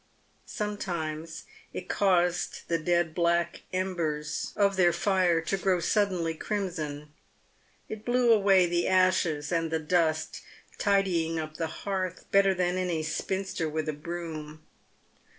Sometimes it caused the dead black embers of their fire to grow suddenly crimson. It blew away the ashes and the dust, tidying up the hearth better than any spinster with a broom.